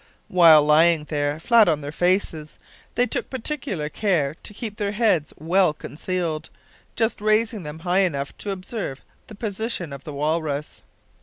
While lying there, flat on their faces, they took particular care to keep their heads well concealed, just raising them high enough to observe the position of the walrus.